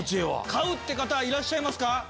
買うって方はいらっしゃいますか？